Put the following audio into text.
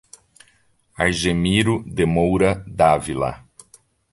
Argemiro de Moura D Avila